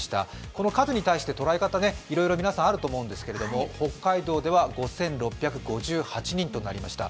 この数に対して、捉え方はいろいろ皆さんあると思うんですけれども、北海道では５６５８人となりました。